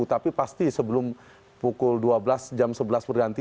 tapi pasti sebelum pukul dua belas jam sebelas berganti